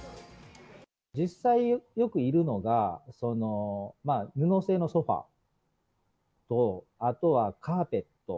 実際よくいるのが、布製のソファと、あとはカーペット。